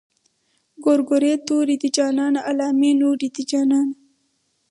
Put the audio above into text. ګورګورې تورې دي جانانه علامې نورې دي جانانه.